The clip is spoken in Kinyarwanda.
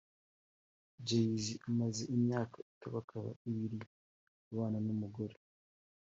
Jay C amaze imyaka ikabakaba ibiri abana n’umugore